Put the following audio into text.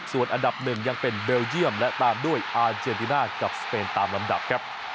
ส่วนอันดับหนึ่งยังเป็นเบลเยี่ยมและตามด้วยอาเจนติน่ากับสเปนตามลำดับครับ